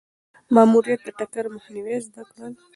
ماموریت د ټکر مخنیوی زده کړل.